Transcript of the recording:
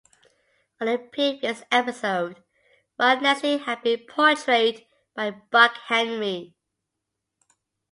On a previous episode, Ron Nessen had been portrayed by Buck Henry.